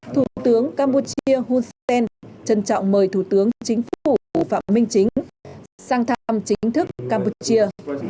thủ tướng campuchia hun sen trân trọng mời thủ tướng chính phủ phạm minh chính sang thăm chính thức campuchia